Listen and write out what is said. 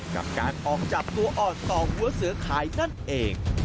กับการออกจับตัวอ่อนต่อหัวเสือขายนั่นเอง